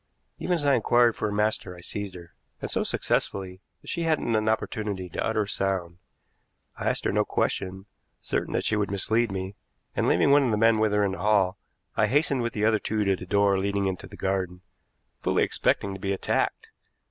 Even as I inquired for her master I seized her, and so successfully that she hadn't an opportunity to utter a sound. I asked her no question, certain that she would mislead me, and, leaving one of the men with her in the hall, I hastened with the other two to the door leading into the garden, fully expecting to be attacked.